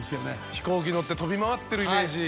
飛行機乗って飛び回ってるイメージ。